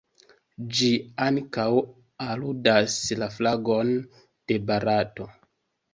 Ĝi ankaŭ aludas la flagon de Barato.